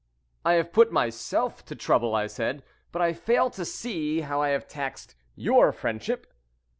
"I have put myself to trouble," I said, "but I fail to see how I have taxed your friendship."